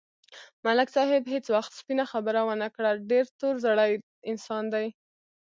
ملک صاحب هېڅ وخت سپینه خبره و نه کړه، ډېر تور زړی انسان دی.